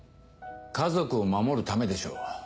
家族を守るためでしょう？